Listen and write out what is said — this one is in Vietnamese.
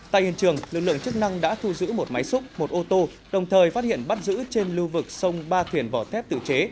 tại hiện trường lực lượng chức năng đã thu giữ một máy xúc một ô tô đồng thời phát hiện bắt giữ trên lưu vực sông ba thuyền vỏ thép tự chế